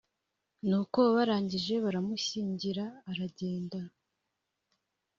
nuko barangije baramushyingira aragenda .